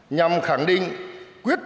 nhằm khẳng định quyết tâm